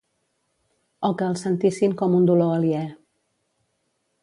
O que el sentissin com un dolor aliè.